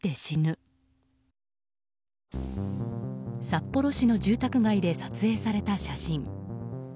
札幌市の住宅街で撮影された写真。